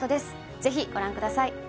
ぜひご覧ください